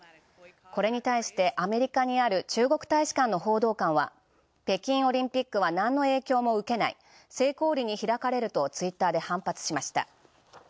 これに対してアメリカにある中国大使館の報道官は北京オリンピックは何の影響も受けない成功裏に開かれるとツイッターで反発しました。